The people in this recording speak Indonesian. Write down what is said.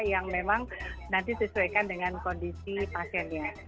yang memang nanti disesuaikan dengan kondisi pasiennya